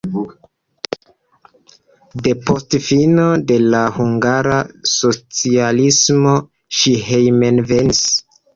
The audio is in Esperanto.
Depost fino de la hungara socialismo ŝi hejmenvenis.